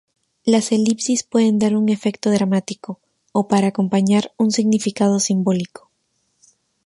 Las elipsis pueden dar un efecto dramático o para acompañar un significado simbólico.